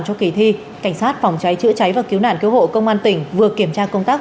cho kỳ thi cảnh sát phòng cháy chữa cháy và cứu nạn cứu hộ công an tỉnh vừa kiểm tra công tác